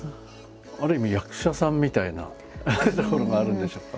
ある意味役者さんみたいなところがあるんでしょうか？